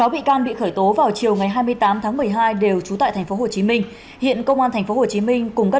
sáu bị can bị khởi tố vào chiều ngày hai mươi tám tháng một mươi hai đều trú tại tp hcm hiện công an tp hcm cùng các